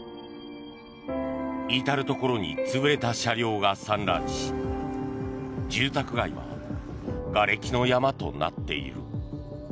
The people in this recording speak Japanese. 至るところに潰れた車両が散乱し住宅街はがれきの山となっている。